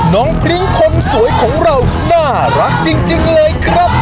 น้องพลดของสวยของเราน่ารักจริงเลยครับ